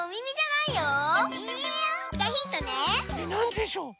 なんでしょう？